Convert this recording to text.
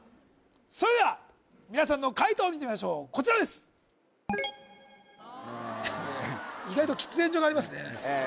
それでは皆さんの解答を見てみましょうこちらです意外と喫煙所がありますねええ